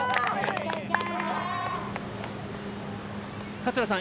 ・桂さん